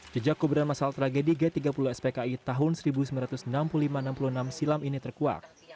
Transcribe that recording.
jejak kuburan masal tragedi g tiga puluh spki tahun seribu sembilan ratus enam puluh lima enam puluh enam silam ini terkuak